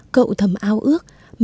cậu thầm ao ước